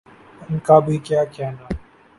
ان کا بھی کیا کہنا۔